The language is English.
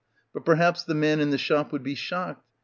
But perhaps the man in the shop would be shocked.